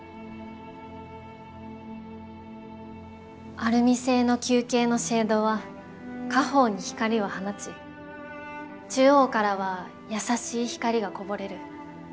アルミ製の球形のシェードは下方に光を放ち中央からは優しい光がこぼれる。